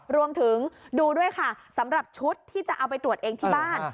รวมถึงดูด้วยค่ะสำหรับชุดที่จะเอาไปตรวจเองที่บ้าน